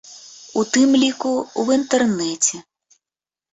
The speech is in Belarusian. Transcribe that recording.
У тым ліку, у інтэрнэце.